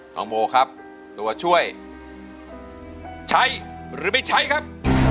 น้องโมครับตัวช่วยใช้หรือไม่ใช้ครับ